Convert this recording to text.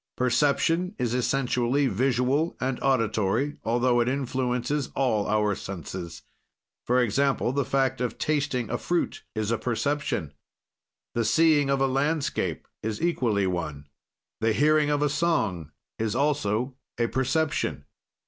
"Perception is essentially visual and auditory, altho it influences all our senses. "For example, the fact of tasting a fruit is a perception. "The seeing of a landscape is equally one. "The hearing of a song is also a perception.